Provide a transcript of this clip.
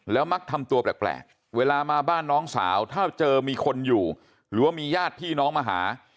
มักทำตัวแปลกเวลามาบ้านน้องสาวถ้าเจอมีคนอยู่หรือว่ามีญาติพี่น้องมาหา